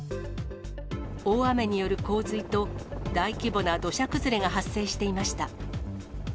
大雨による洪水と大規模な土砂崩れが発生していました。